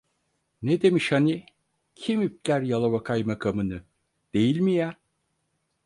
Ne demiş hani: "Kim ipler Yalova kaymakamını!" Değil mi ya…